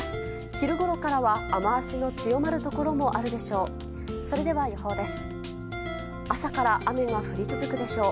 昼ごろからは雨脚の強まるところもあるでしょう。